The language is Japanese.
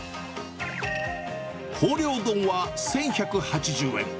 豊漁丼は１１８０円。